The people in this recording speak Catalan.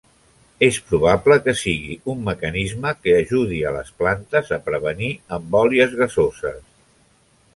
És probable que sigui un mecanisme que ajudi a les plantes a prevenir embòlies gasoses.